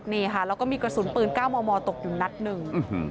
นี่ค่ะแล้วก็มีกระสุนปืน๙มมตกอยู่นัดหนึ่ง